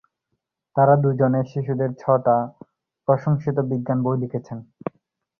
তাঁরা দুজনে শিশুদের ছ-টা প্রশংসিত বিজ্ঞান বই লিখেছিলেন।